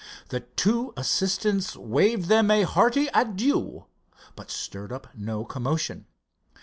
The two assistants waved them a hearty adieu, but stirred up no commotion.